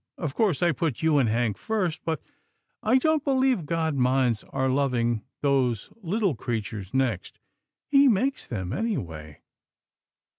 Of course, I put you and Hank first, but I don't believe God minds our lov ing those little creatures next. He makes them, anyway."